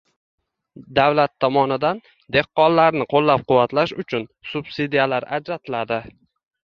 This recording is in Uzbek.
davlat tomonidan dehqonlarni qo‘llabquvvatlash uchun subsidiyalar ajratiladi.